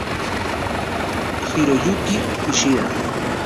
Hiroyuki Ishida